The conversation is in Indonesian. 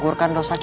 gak ada slide